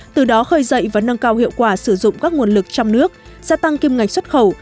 từ đó khơi dậy và nâng cao hiệu quả sử dụng các nguồn lực trong nước gia tăng kim ngạch xuất khẩu